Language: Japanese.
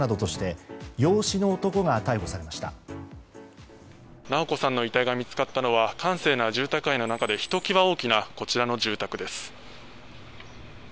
直子さんの遺体が見つかったのは閑静な住宅街の中でひときわ大きなこちらの住宅です。